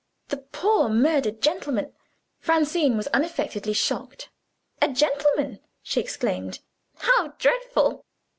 The poor murdered gentleman " Francine was unaffectedly shocked. "A gentleman!" she exclaimed. "How dreadful!"